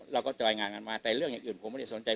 จอยงานกันมาแต่เรื่องอย่างอื่นผมไม่ได้สนใจ